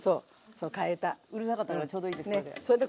うるさかったからちょうどいいですこれで。